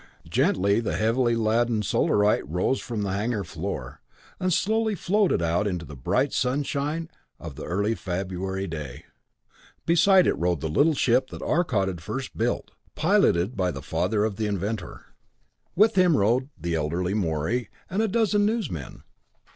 Gently the heavily laden Solarite rose from the hangar floor, and slowly floated out into the bright sunshine of the early February day. Beside it rode the little ship that Arcot had first built, piloted by the father of the inventor. With him rode the elder Morey and a dozen newsmen.